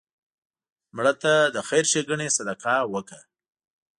مړه ته د خیر ښیګڼې صدقه وکړه